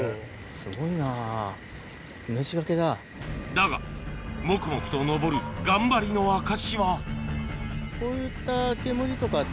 だがもくもくと上る頑張りの証しははい。